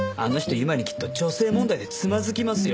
今にきっと女性問題でつまずきますよ。